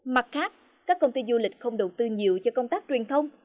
mặt khác các công ty du lịch không đầu tư nhiều cho công tác truyền thông